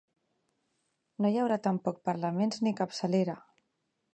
No hi haurà tampoc parlaments ni capçalera.